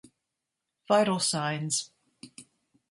Vital Signs